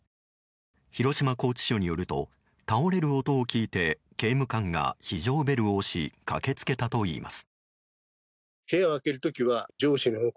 広島拘置所によると倒れる音を聞いて刑務官が非常ベルを押し駆けつけたといいます。